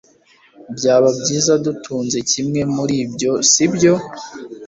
Byaba byiza dutunze kimwe muri ibyo, sibyo?